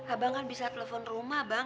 abang kan bisa telepon rumah bang